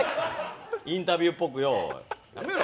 インタビューっぽくよ。